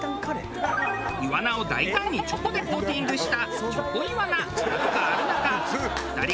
イワナを大胆にチョコでコーティングしたチョコイワナなどがある中２人が注文したのは。